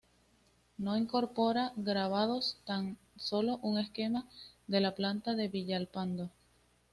No incorpora grabados, tan sólo un esquema de la planta de Villalpando.